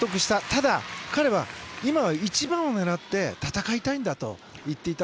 ただ、彼は今は一番を狙って戦いたいんだと言っていた。